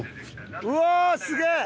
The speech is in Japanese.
うわーすげえ！